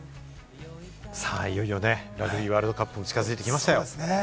いよいよね、ラグビーワールドカップも近づいてきましたよ。